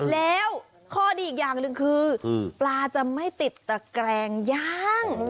แล้วข้อดีอีกอย่างหนึ่งคือปลาจะไม่ติดตะแกรงย่าง